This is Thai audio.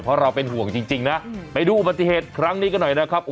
เพราะเราเป็นห่วงจริงนะไปดูอุบัติเหตุครั้งนี้กันหน่อยนะครับ